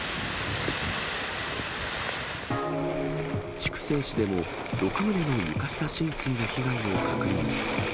筑西市でも６棟の床下浸水の被害を確認。